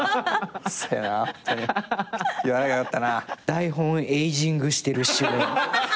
台本エイジングしてる主演。